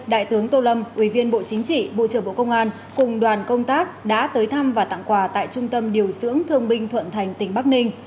đại tướng tô lâm ủy viên bộ chính trị bộ trưởng bộ công an cùng đoàn công tác đã tới thăm và tặng quà tại trung tâm điều dưỡng thương binh thuận thành tỉnh bắc ninh